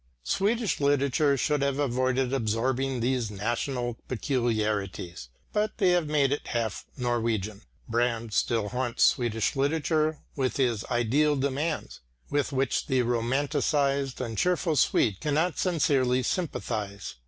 Swedish literature should have avoided absorbing these national peculiarities, but they have made it half Norwegian. Brand still haunts Swedish literature with his ideal demands, with which the romanticised and cheerful Swede cannot sincerely sympathise.